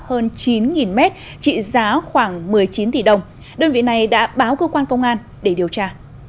hơn chín mét trị giá khoảng một mươi chín tỷ đồng đơn vị này đã báo cơ quan công an để điều tra